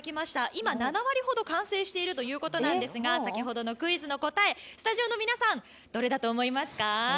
今、７割ほど完成しているということなんですが先ほどのクイズの答え、スタジオの皆さん、どれだと思いますか？